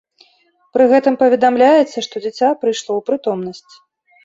Пры гэтым паведамляецца, што дзіця прыйшло ў прытомнасць.